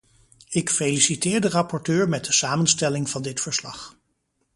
Ik feliciteer de rapporteur met de samenstelling van dit verslag.